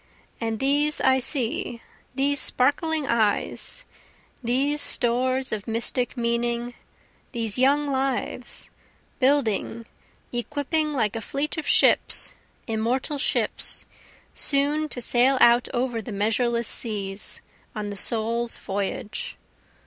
And these I see, these sparkling eyes, These stores of mystic meaning, these young lives, Building, equipping like a fleet of ships, immortal ships, Soon to sail out over the measureless seas, On the soul's voyage.